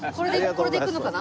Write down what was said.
これで行くのかな？